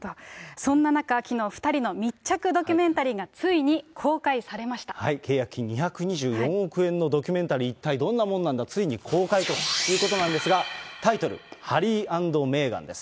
そんな中、きのう、２人の密着ドキュメンタリーが、ついに公開さ契約金２２４億円のドキュメンタリー、一体どんなもんなんだ、ついに公開ということなんですが、タイトル、ハリー＆メーガンです。